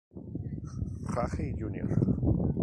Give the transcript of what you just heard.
Harry Jr.